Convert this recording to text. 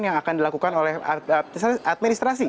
yang akan dilakukan oleh administrasi